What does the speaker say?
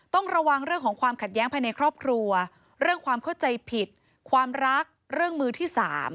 ต้องระวังเรื่องของความขัดแย้งภายในครอบครัวเรื่องความเข้าใจผิดความรักเรื่องมือที่๓